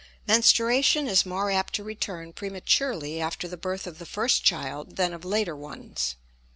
Menstruation is more apt to return prematurely after the birth of the first child than of later ones.